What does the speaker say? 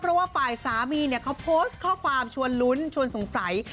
เพราะว่าฝ่ายสามีเนี่ยเขาโพสต์ข้อความชวนลุ้นชวนสงสัย